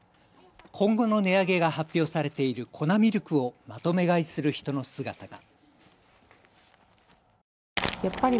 今後の値上げが発表されている粉ミルクをまとめ買いする人の姿が。